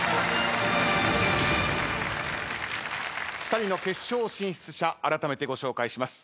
２人の決勝進出者あらためてご紹介します。